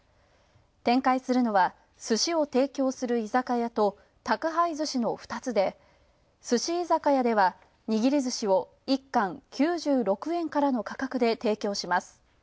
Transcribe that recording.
展開するのは、すしを提供する居酒屋と宅配ずしの２つですし居酒屋では、握りずしを１貫９６円からの価格で提供します。